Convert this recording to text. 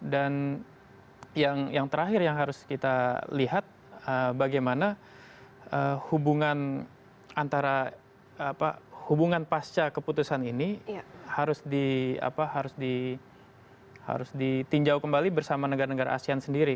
dan yang terakhir yang harus kita lihat bagaimana hubungan pasca keputusan ini harus ditinjau kembali bersama negara negara asean sendiri